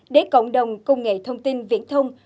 để cộng đồng công nghệ thông tin viễn thông